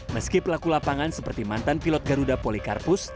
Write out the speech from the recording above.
meski pelaku lapangan seperti mantan pilot garuda polikarpus